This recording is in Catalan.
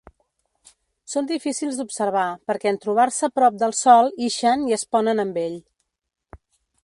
Són difícils d'observar perquè en trobar-se prop del Sol ixen i es ponen amb ell.